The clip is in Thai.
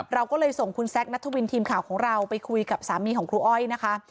เราก็เลยส่งคุณแซคนัทวินทีมข่าวของเราไปคุยกับสามีของครูอ้อยนะคะ